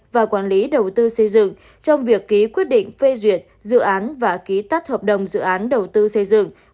và quản lý đầu tư xây dựng trong việc ký quyết định phê duyệt dự án và ký tắt hợp đồng dự án đầu tư xây dựng